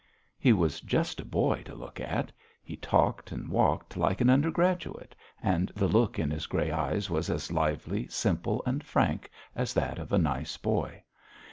He was just a boy to look at. He talked and walked like an undergraduate, and the look in his grey eyes was as lively, simple, and frank as that of a nice boy.